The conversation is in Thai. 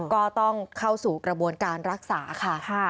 ก็ต้องเข้าสู่กระบวนการรักษาค่ะ